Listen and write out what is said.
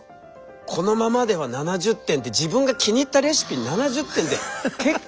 このままでは７０点って自分が気に入ったレシピに７０点って結構な辛口。